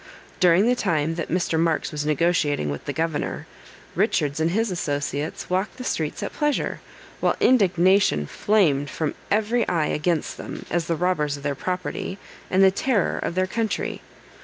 During the time that Mr. Marks was negotiating with the governor, Richards and his associates walked the streets at pleasure, while indignation flamed from every eye against them, as the robbers of their property, and the terror of their country.